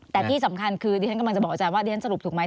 แต่ที่สำคัญคือดิฉันกำลังจะบอกอาจารย์ว่าเรียนสรุปถูกไหม